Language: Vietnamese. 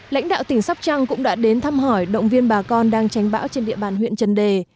lãnh đạo tỉnh sóc trăng cũng đã đến thăm hỏi động viên bà con đang tránh bão trên địa bàn huyện trần đề